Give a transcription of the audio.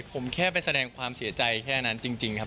ผมแค่ไปแสดงความเสียใจแค่นั้นจริงครับ